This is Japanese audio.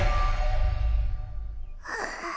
はあ。